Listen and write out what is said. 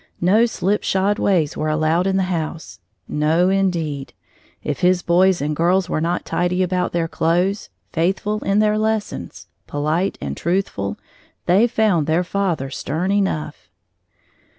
No slipshod ways were allowed in his house. No, indeed! If his boys and girls were not tidy about their clothes, faithful in their lessons, polite, and truthful, they found their father stern enough.